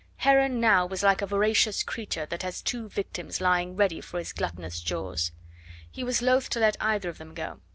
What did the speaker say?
Heron now was like a voracious creature that has two victims lying ready for his gluttonous jaws. He was loath to let either of them go.